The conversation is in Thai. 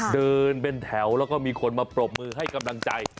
เดินเป็นแถวแล้วก็มีคนมาปรบมือให้กำลังใจ